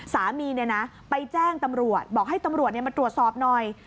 สามีไปแจ้งตำรวจบอกให้ตำรวจมาตรวจสอบหน่อย